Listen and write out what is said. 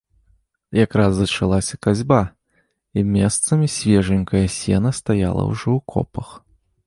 Якраз зачалася касьба, і месцамі свежанькае сена стаяла ўжо ў копах.